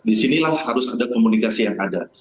di sinilah harus ada komunikasi yang ada